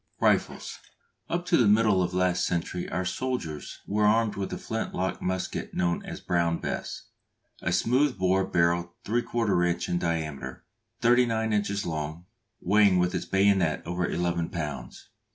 RIFLES. Up to the middle of last century our soldiers were armed with the flint lock musket known as "Brown Bess," a smooth bore barrel 3/4 inch in diameter, thirty nine inches long, weighing with its bayonet over eleven pounds.